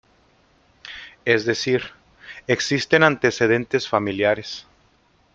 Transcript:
Es decir, existen antecedentes familiares.